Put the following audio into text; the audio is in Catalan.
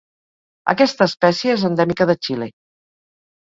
Aquesta espècie és endèmica de Xile.